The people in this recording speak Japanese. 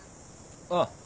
ああ。